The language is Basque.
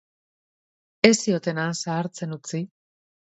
Ez zioten han zahartzen utzi.